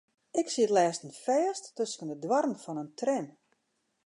Ik siet lêsten fêst tusken de doarren fan in tram.